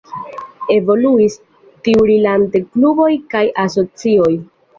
Evoluis tiurilate kluboj kaj asocioj.